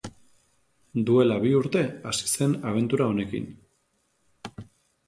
Duela bi urte hasi zen abentura honekin.